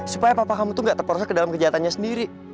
supaya papa kamu tuh gak terproses ke dalam kejahatannya sendiri